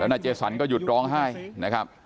นายเจสันก็หยุดร้องไห้นะครับ